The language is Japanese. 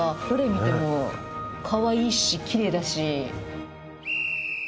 どれ見てもかわいいしきれいだし。